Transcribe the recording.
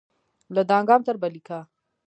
له دانګام تر بلهیکا